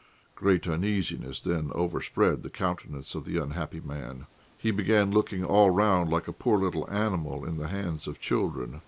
Great uneasiness then overspread the countenance of the unhappy man. He began looking all round like a poor little animal in the hands of children.